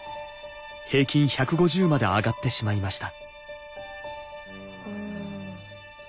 平均１５０まで上がってしまいました。